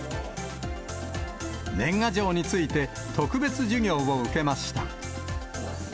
年賀状について、特別授業を受けました。